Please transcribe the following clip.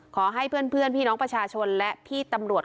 ขอให้เพื่อนพี่น้องประชาชนและพี่ตำรวจ